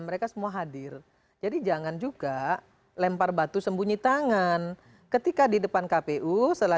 mereka semua hadir jadi jangan juga lempar batu sembunyi tangan ketika di depan kpu setelah